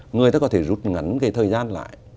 người ta có thể rút ngắn thời gian lại